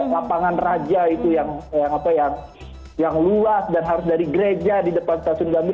lapangan raja itu yang luas dan harus dari gereja di depan stasiun gambir